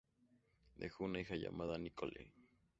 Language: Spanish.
Dejó una hija llamada Nicole.